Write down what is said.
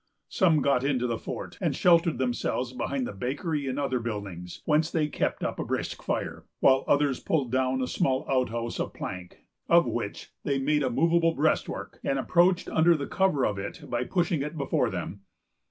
Some got into the fort and sheltered themselves behind the bakery and other buildings, whence they kept up a brisk fire; while others pulled down a small outhouse of plank, of which they made a movable breastwork, and approached under cover of it by pushing it before them.